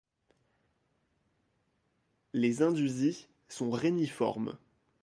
Les indusies sont réniformes.